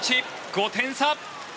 ５点差。